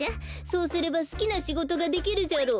そうすればすきなしごとができるじゃろ。